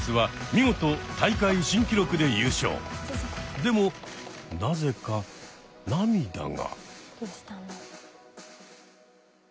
でもなぜか涙が。